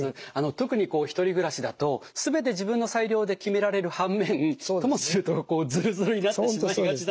特に１人暮らしだと全て自分の裁量で決められる反面ともするとこうずるずるになってしまいがちなんですよね。